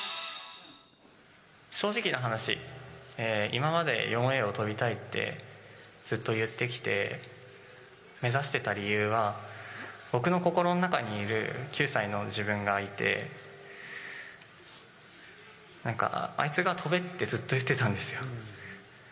正直な話、今まで４Ａを跳びたいって、ずっと言ってきて、目指した理由は、僕の心の中にいる９歳の自分がいて、なんか、あいつが跳べってずっと言ってたんですよ。